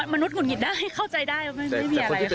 มนุษย์หงุดหงิดนะแค่เข้าใจได้ว่าไม่มีอะไร